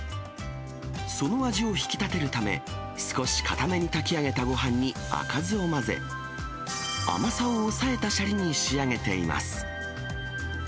その味を引き立てるため、少し硬めに炊き上げたごはんに赤酢を混ぜ、甘さを抑えたシャリに仕上げています。